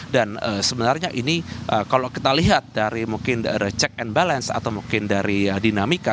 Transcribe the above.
dan sebenarnya ini kalau kita lihat dari mungkin dari check and balance atau mungkin dari dinamika